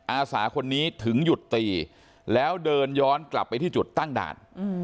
อาสาคนนี้ถึงหยุดตีแล้วเดินย้อนกลับไปที่จุดตั้งด่าน